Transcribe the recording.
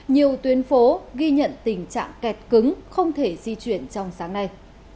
nhiều tuyến phố ghi nhận tình trạng kẹt cứng không thể di chuyển trong sáng nay